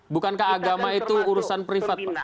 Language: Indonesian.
bukankah agama itu urusan privat pak